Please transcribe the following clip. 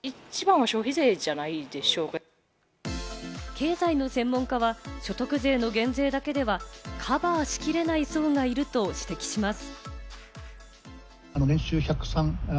経済の専門家は、所得税の減税だけでは、カバーしきれない層がいると指摘します。